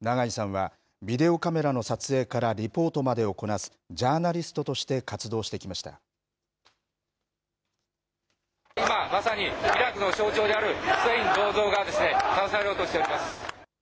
長井さんはビデオカメラの撮影からリポートまでをこなすジャーナリストとして今まさにイラクの象徴であるフセインの銅像が倒されようとしています。